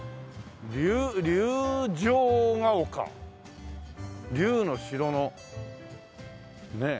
「龍城ヶ丘」「龍」の「城」のねえ。